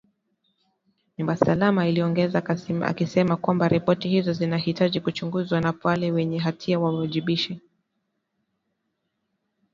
nyumba salama aliongeza akisema kwamba ripoti hizo zinahitaji kuchunguzwa na wale wenye hatia wawajibishwe